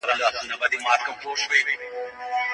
ښوونکی زدهکوونکو ته د دقیق لوست اهمیت ښيي.